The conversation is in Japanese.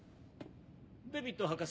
デヴィット博士。